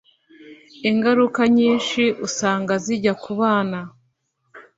ingaruka nyinshi usanga zijya ku bana